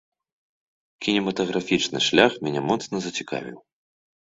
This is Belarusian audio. Кінематаграфічны шлях мяне моцна зацікавіў.